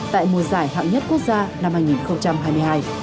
tại mùa giải hạng nhất quốc gia năm hai nghìn hai mươi hai